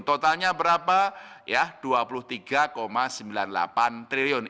totalnya berapa ya rp dua puluh tiga sembilan puluh delapan triliun